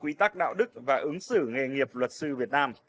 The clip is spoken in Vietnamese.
quy tắc đạo đức và ứng xử nghề nghiệp luật sư việt nam